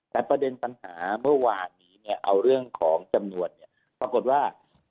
แต่ประเด็นปัญหาเมื่อวานนี้เนี่ยเอาเรื่องของจำนวนเนี่ยปรากฏว่า